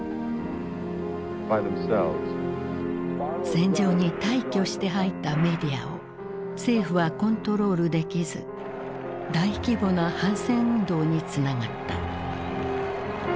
戦場に大挙して入ったメディアを政府はコントロールできず大規模な反戦運動につながった。